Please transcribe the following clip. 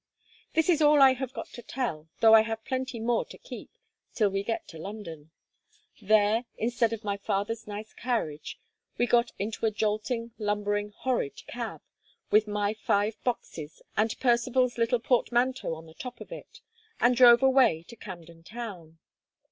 This is all I have got to tell, though I have plenty more to keep, till we get to London. There, instead of my father's nice carriage, we got into a jolting, lumbering, horrid cab, with my five boxes and Percivale's little portmanteau on the top of it, and drove away to Camden Town.